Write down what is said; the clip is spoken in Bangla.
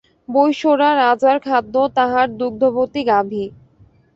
বৈশ্যেরা রাজার খাদ্য, তাঁহার দুগ্ধবতী গাভী।